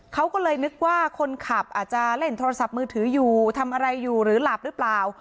เขาก็เลยนึกว่าคนขับอาจจะเล่นโทรศัพท์มือถืออยู่ทำอะไรอยู่หรือหลับหรือเปล่า